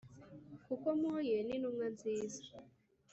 Kuko mpuye n’intumwa nziza